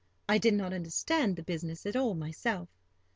I did not understand the business at all myself.